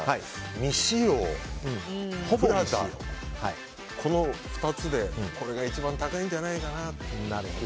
未使用、プラダこの２つで、これが一番高いんじゃないかなと。